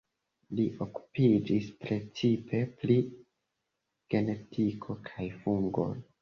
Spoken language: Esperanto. Li okupiĝis precipe pri genetiko kaj fungoj.